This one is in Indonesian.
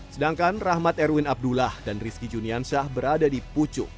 sedangkan rahmat erwin abdullah dan rizky juniansyah berada di pucuk